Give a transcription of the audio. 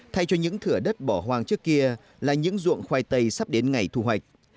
thay cho những thửa đất bỏ hoang trước kia là những ruộng khoai tây sắp đến ngày thu hoạch